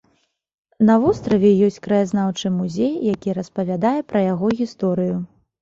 На востраве ёсць краязнаўчы музей, які распавядае пра яго гісторыю.